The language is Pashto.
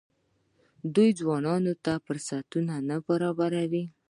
آیا دوی ځوانانو ته فرصتونه نه برابروي؟